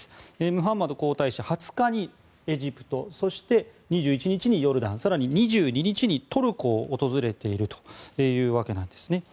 ムハンマド皇太子２０日にエジプト、２１日にヨルダン２２日にトルコを訪れているというわけなんです。